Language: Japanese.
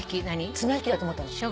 綱引きだと思ったの。